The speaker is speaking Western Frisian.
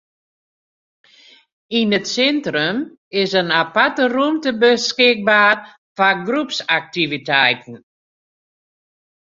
Yn it sintrum is in aparte rûmte beskikber foar groepsaktiviteiten.